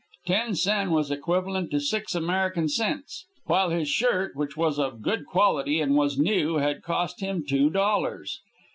Ten sen was equivalent to six American cents, while his shirt, which was of good quality and was new, had cost him two dollars.